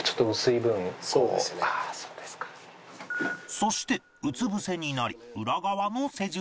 そしてうつぶせになり裏側も施術